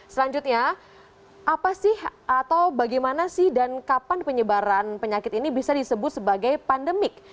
selanjutnya apa sih atau bagaimana sih dan kapan penyebaran penyakit ini bisa disebut sebagai pandemik